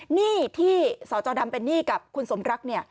หนี้ที่สจดำเป็นหนี้กับคุณสมรักเนี่ย